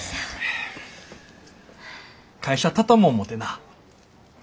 会社畳も思てな。